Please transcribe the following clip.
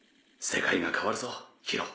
世界が変わるぞ宙。